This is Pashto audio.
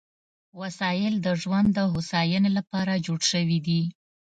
وسایل د ژوند د هوساینې لپاره جوړ شوي دي.